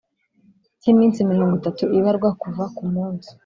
cy iminsi mirongo itatu ibarwa kuva ku munsi